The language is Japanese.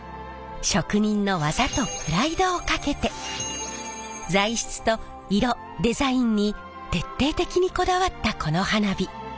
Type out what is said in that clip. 職人の技とプライドをかけて材質と色デザインに徹底的にこだわったこの花火。